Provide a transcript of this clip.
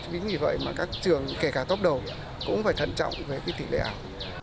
vì vậy các trường kể cả tốc đầu cũng phải thận trọng về tỷ lệ ảo